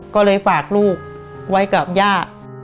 ก็เลยฝากลูกไว้กับย่า